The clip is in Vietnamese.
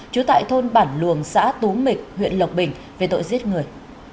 trú tại thôn bản luồng xã tú mịch huyện lộc bình về tội giết người